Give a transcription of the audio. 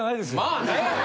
まあね。